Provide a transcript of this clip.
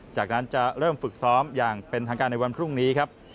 จากนั้นจะเริ่มฝึกซ้อมอย่างเป็นทางการในวันพรุ่งนี้ครับ